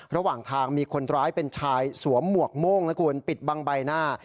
ระหว่างทางมีคนร้ายเป็นชายสวมหมวกโม่งนะคุณปิดบังใบหน้า